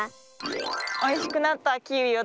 おいしくなったキウイをどうぞ。